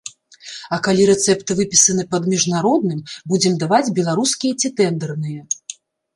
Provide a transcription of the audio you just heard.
А калі рэцэпт выпісаны пад міжнародным, будзем даваць беларускія ці тэндэрныя.